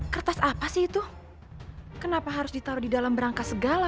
kertas apa sih itu kenapa harus ditaruh di dalam berangka segala